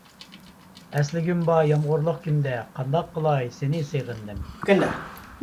ئەسلىگۈم بار يامغۇرلۇق كۈندە، قانداق قىلاي سېنى سېغىندىم.